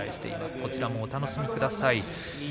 こちらもお楽しみください。